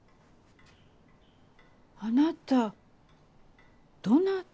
あなたどなた？